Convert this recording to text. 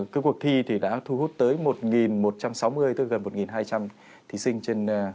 cái cuộc thi thì đã thu hút tới một một trăm sáu mươi tức gần một hai trăm linh thí sinh trên